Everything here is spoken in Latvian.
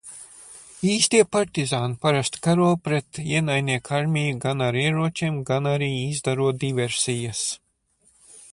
Īstie partizāni parasti karo pret ienaidnieka armiju gan ar ieročiem, gan arī izdarot diversijas.